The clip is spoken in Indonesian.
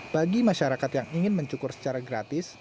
bagi masyarakat yang ingin mencukur secara gratis